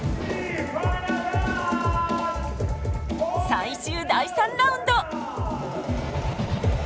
最終第３ラウンド！